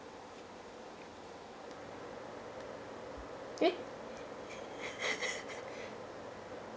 えっ。